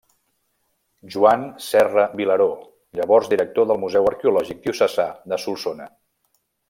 Joan Serra Vilaró, llavors director del Museu Arqueològic Diocesà de Solsona.